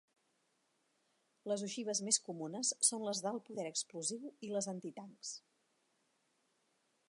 Les ogives més comunes són les d'alt poder explosiu i les antitancs.